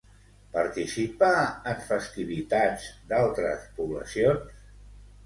Participa en festivitats d'altres poblacions?